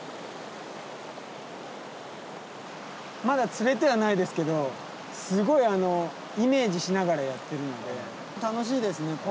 まだ釣れてはないですけどすごいイメージしながらやってるので楽しいですね。